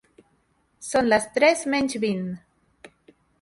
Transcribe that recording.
Són les tres menys vint.